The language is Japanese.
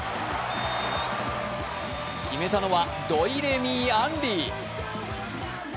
決めたのは土井レミイ杏利。